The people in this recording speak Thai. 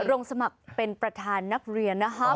ลงสมัครเป็นประธานนักเรียนนะครับ